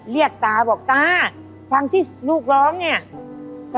เรียกตาบอกตาฟังที่ลูกร้องเนี่ย